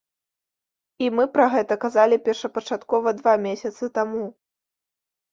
І мы пра гэта казалі першапачаткова два месяцы таму.